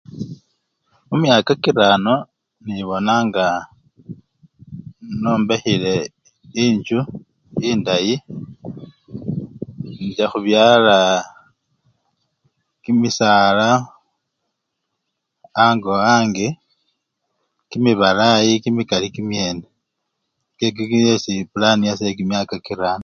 Mumyaka kirano nibona ngaa nombekhile enjju endayi, incha khubyala kimisala ango wange kimibalayi kimikali kimyene ikiki niye esi pulani yase yekimyaka kirano.